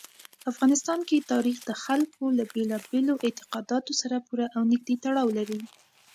افغانستان کې تاریخ د خلکو له بېلابېلو اعتقاداتو سره پوره او نږدې تړاو لري.